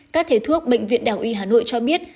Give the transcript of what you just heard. các thế thuốc bệnh viện đảo y hà nội cho biết